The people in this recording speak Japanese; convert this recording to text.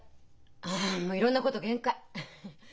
あもういろんなこと限界！